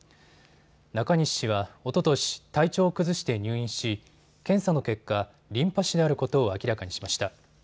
中西氏はおととし、体調を崩して入院し検査の結果、リンパ腫であることを明らかにしました。